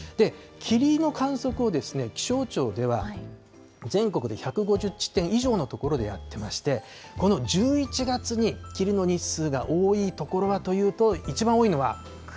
霧の観測を気象庁では全国で１５０地点以上の所でやってまして、この１１月に霧の日数が多い所はというと、いちばん多いのは。